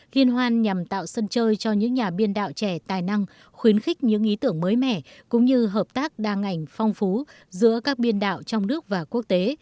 liên hoan nhằm tạo sân chơi cho những nhà biên đạo trẻ tài năng khuyến khích những ý tưởng mới mẻ cũng như hợp tác đa ngành phong phú giữa các biên đạo trong nước và quốc tế